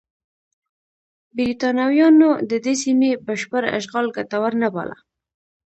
برېټانویانو د دې سیمې بشپړ اشغال ګټور نه باله.